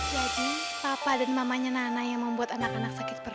jadi papa dan mamanya nana yang membuat anak anak sakit perlu